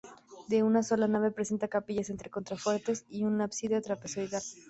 De una sola nave presenta capillas entre contrafuertes y un ábside trapezoidal.